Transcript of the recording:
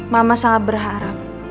mama sangat berharap